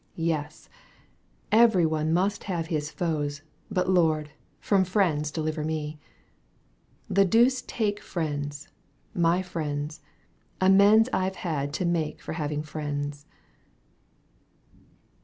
Yes ! every one must have his foes. But Lord ! from friends deliver me ! The deuce take friends, my friends, amends I've had to make for having friends